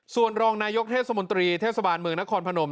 ส่วนรองนายกเทศมนตรีเทศบาลเมืองนครพนม